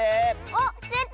おっつれた！